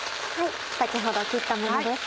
先ほど切ったものです。